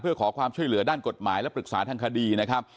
เพื่อขอความช่วยเหลือด้านกฎหมายและปรึกษาทางคดีนะครับ